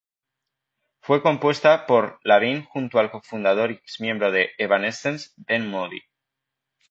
Fue compuesta por Lavigne junto al co-fundador y ex miembro de Evanescence, Ben Moody.